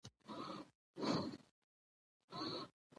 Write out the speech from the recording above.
ليکوال چې کله له يوې سيمې څخه ليدنه کړې